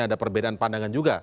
ada perbedaan pandangan juga